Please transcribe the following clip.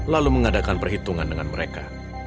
lalu mengadakan perhitungan dengan mereka